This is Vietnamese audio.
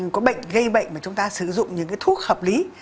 có bệnh gây bệnh mà chúng ta sử dụng những cái thuốc hợp lý